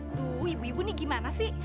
aduh ibu ibu nih gimana sih